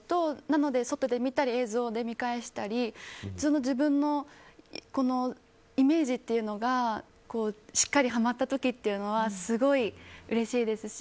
なので外で見たり映像を見返したり自分のイメージというのがしっかりはまった時というのはすごいうれしいですし。